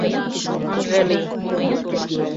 Ынже лий